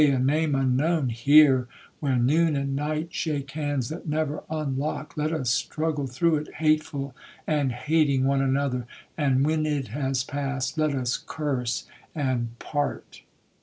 Day! a name unknown here, where noon and night shake hands that never unlock. Let us struggle through it, 'hateful and hating one another,' and when it has passed, let us curse and part.'